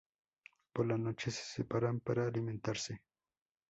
Por la noche, se separan para alimentarse.